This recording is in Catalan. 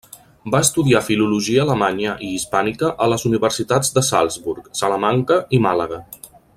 Va estudiar Filologia alemanya i hispànica a les universitats de Salzburg, Salamanca i Màlaga.